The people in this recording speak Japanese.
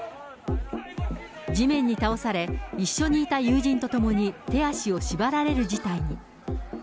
地面に倒され、一緒にいた友人と共に手足を縛られる事態に。